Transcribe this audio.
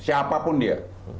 siapa pun dia